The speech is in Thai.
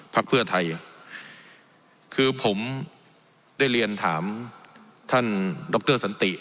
ภรรยาไทยคือผมได้เรียนถามท่านดร์เตอร์สันติ